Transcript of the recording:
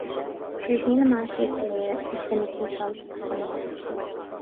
Go raibh míle maith agaibh go léir, agus bainigí sult as an lá